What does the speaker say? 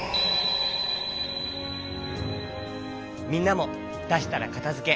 みんなもだしたらかたづけ。